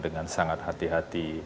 dengan sangat hati hati